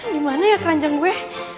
dimana ya keranjang gue